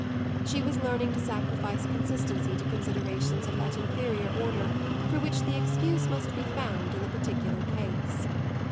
She was learning to sacrifice consistency to considerations of that inferior order for which the excuse must be found in the particular case.